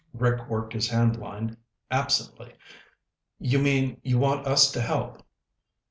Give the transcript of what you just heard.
Rick worked his hand line absently. "You mean you want us to help?"